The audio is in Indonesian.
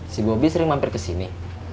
si bobi sering mampir kesini